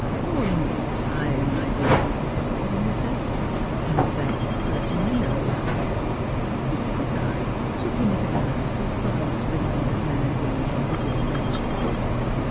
" All in good time, my dear Mrs. Buck horn," he said. " And thank you for letting me know." His quick eye took in at a glance the sparse sprinkling of men and women on the wooden benches.